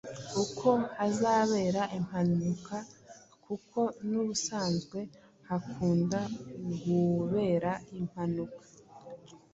uko hazabera impanuka kuko n’ubusanzwe hakunda gubera impanuka.